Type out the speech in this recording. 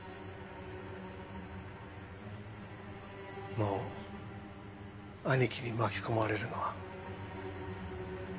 もう兄貴に巻き込まれるのはごめんだ。